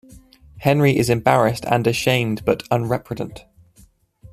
Henry is embarrassed and ashamed but unrepentant.